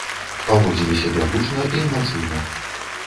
Паводзілі сябе гучна і эмацыйна.